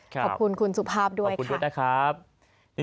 ขอบคุณคุณสุภาพด้วยค่ะค่ะจ๊วยไว้